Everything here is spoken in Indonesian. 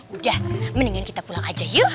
udah mendingan kita pulang aja yuk